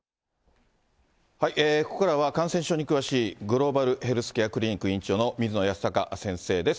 ここからは、感染症に詳しいグローバルヘルスケアクリニック院長の水野泰孝先生です。